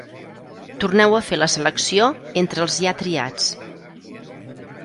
Torneu a fer la selecció entre els ja triats.